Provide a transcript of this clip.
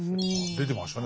出てましたね。